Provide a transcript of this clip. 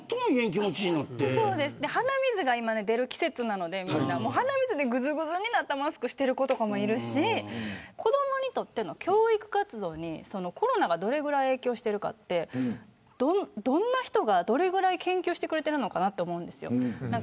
今はみんな鼻水が出る季節なので鼻水でぐずぐずになったマスクをしてる子もいるし子どもの教育活動にコロナがどのぐらい影響しているかってどんな人がどのぐらい研究してくれているのかなと思うんです。